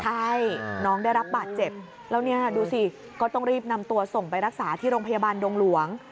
ใช่น้องได้รับบาดเจ็บแล้วเนี่ยดูสิก็ต้องรีบนำตัวส่งไปรักษาที่โรงพยาบาลดงหลวง